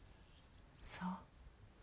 そう。